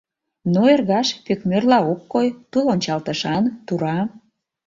Но эргаш пӧкмӧрла ок кой, Тул ончалтышан, тура.